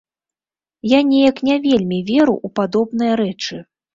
Я неяк не вельмі веру ў падобныя рэчы.